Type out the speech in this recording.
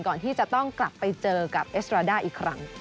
ก่อนที่จะต้องกลับไปเจอกับเอสราด้าอีกครั้ง